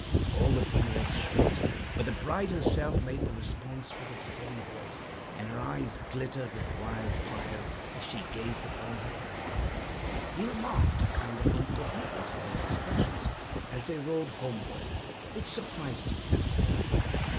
All the females shrieked, but the bride herself made the response with a steady voice, and her eyes glittered with wild fire as she gazed upon her bridegroom. He remarked a kind of incoherence in her expressions as they rode home ward, which surprised him at the time.